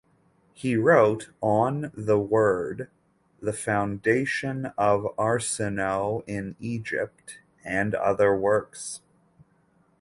He wrote "On the Word," "The Foundation of Arsinoe in Egypt", and other works.